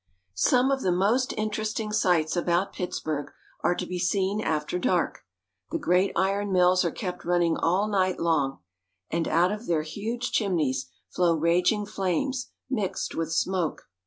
SOME of the most interesting sights about Pittsburg are to be seen after dark. The great iron mills are kept running all night long, and out of their huge chim neys flow raging flames, mixed with smoke.